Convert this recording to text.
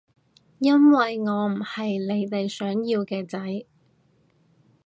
因為我唔係你哋想要嘅仔